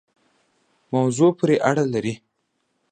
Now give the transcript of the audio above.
موضوع پوری اړه لری